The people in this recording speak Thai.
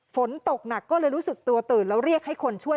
ฝนตกหนักก็เลยรู้สึกตัวตื่นแล้วเรียกให้คนช่วย